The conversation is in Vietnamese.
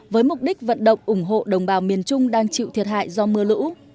với mục đích vận động ủng hộ đồng bào miền trung đang chịu thiệt hại do mưa lũ